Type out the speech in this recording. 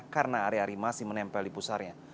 karena area area masih menempel di pusarnya